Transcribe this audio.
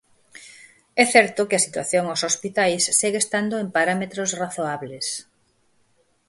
É certo que a situación os hospitais segue estando en parámetros razoables.